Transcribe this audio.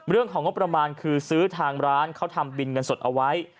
เรื่องของงบประมาณคือซื้อทางร้านเขาทำบินเงินสดเอาไว้